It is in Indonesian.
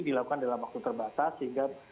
dilakukan dalam waktu terbatas sehingga